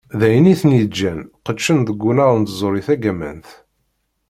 D ayen i ten-yeǧǧan qeddcen deg unnar n tẓuri tagamant.